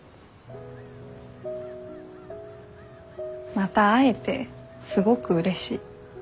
また会えてすごくうれしい。